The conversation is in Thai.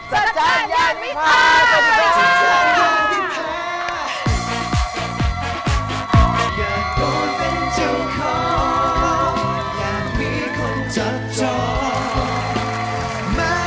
จัดการยานวิทยาลัย